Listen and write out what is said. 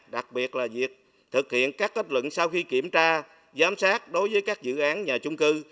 đặc biệt là việc thực hiện các kết luận sau khi kiểm tra giám sát đối với các dự án nhà chung cư